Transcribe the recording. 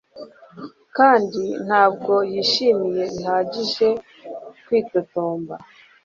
Kandi ntabwo yishimiye bihagije kwitotomba